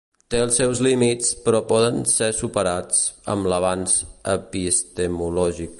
Té els seus límits, però poden ser superats amb l'avanç epistemològic.